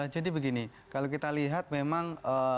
jadi begini kalau kita lihat memang